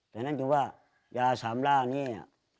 ฉะนั้นอยู่ว่ายาสามรากเนี่ย